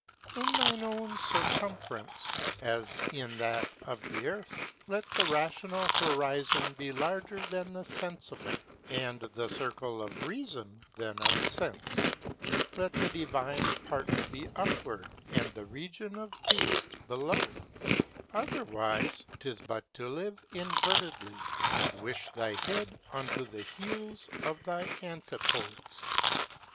In thine own circumference, as in that of the earth, let the rational horizon be larger than the sensible, and the circle of reason than of sense: let the divine part be upward, and the region of beast below; otherwise, 'tis but to live invertedly, and with thy head unto the heels of thy antipodes.